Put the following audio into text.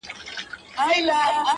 په رقيب چي مي اختر دي.!